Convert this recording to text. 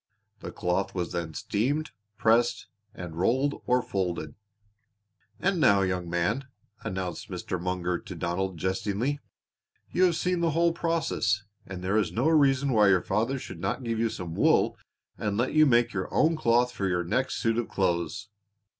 The cloth was then steamed, pressed, and rolled or folded. "And now, young man," announced Mr. Munger to Donald jestingly, "you have seen the whole process, and there is no reason why your father should not give you some wool and let you make your own cloth for your next suit of clothes."